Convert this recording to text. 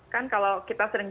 kan kalau kita sering